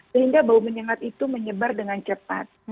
sehingga bau menyengat itu menyebar dengan cepat